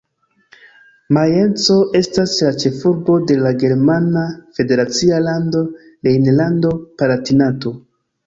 Majenco estas la ĉefurbo de la germana federacia lando Rejnlando-Palatinato-